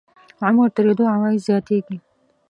عمر تېرېدو عواید زیاتېږي.